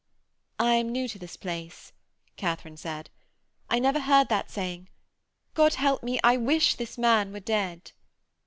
'I am new to this place,' Katharine said; 'I never heard that saying. God help me, I wish this man were dead.'